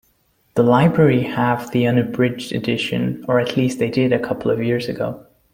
The library have the unabridged edition, or at least they did a couple of years ago.